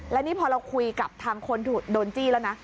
และนี่พอเราคุยกับทางคนโดนจี้แล้วนะ